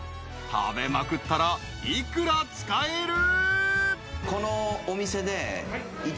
［食べまくったら幾ら使える？］